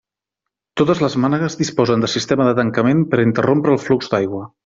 Totes les mànegues disposen de sistema de tancament per interrompre el flux d'aigua.